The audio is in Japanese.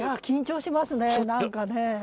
緊張しますね何かね。